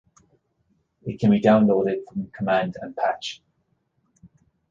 It can be downloaded from Command and Patch.